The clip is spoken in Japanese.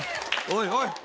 おいおい。